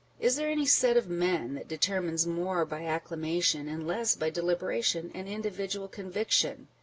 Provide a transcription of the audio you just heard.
Is there any set of men that determines more by acclamation, and less by deliberation and individual conviction